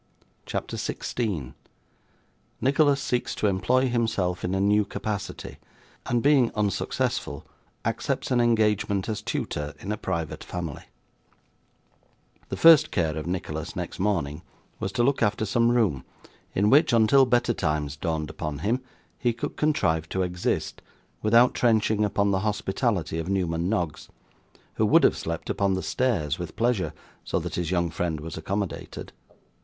CHAPTER 16 Nicholas seeks to employ himself in a New Capacity, and being unsuccessful, accepts an engagement as Tutor in a Private Family The first care of Nicholas, next morning, was, to look after some room in which, until better times dawned upon him, he could contrive to exist, without trenching upon the hospitality of Newman Noggs, who would have slept upon the stairs with pleasure, so that his young friend was accommodated.